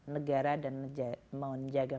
negara dan menjaga